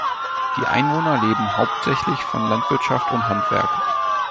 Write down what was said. Die Einwohner leben hauptsächlich von Landwirtschaft und Handwerk.